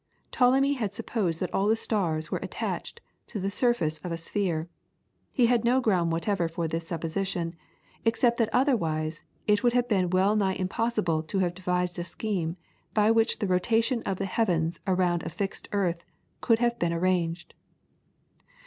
Ptolemy had supposed that all the stars were attached to the surface of a sphere. He had no ground whatever for this supposition, except that otherwise it would have been well nigh impossible to have devised a scheme by which the rotation of the heavens around a fixed earth could have been arranged.